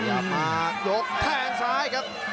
พยายามมาหยุดแทงสายครับ